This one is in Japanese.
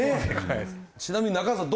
ちなみに中畑さん